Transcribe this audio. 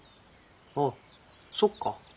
あっそっか。